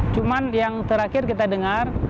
cuma yang terakhir kita dengar